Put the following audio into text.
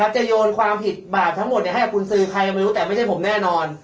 จะโยนความผิดบาปทั้งหมดให้กับกุญสือใครไม่รู้แต่ไม่ใช่ผมแน่นอน